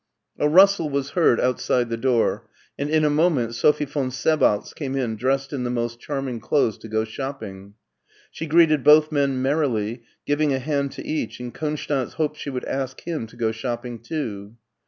A rustle was heard outside the door, and in a moment Sophie von Sebaltz came in dressed in the most charming clothes to go shopping. She greeted both men merrily, giving a hand to each, and Konstanz hoped she would ask him to go shopping too.